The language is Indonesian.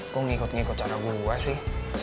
aku ngikut ngikut cara gue sih